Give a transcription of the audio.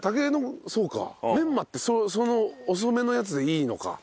メンマってその遅めのやつでいいのか。